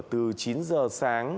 từ chín h sáng